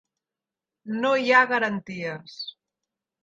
No hi ha garanties.